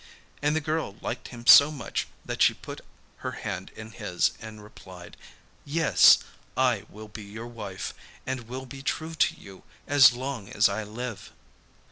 And the girl liked him so much that she put her hand in his and replied: 'Yes, I will be your wife, and will be true to you as long as I live.